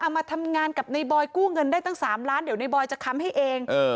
มาทำงานกับในบอยกู้เงินได้ตั้ง๓ล้านเดี๋ยวในบอยจะค้ำให้เอง